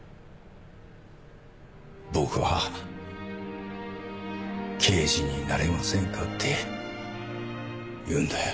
僕は刑事になれませんかって言うんだよ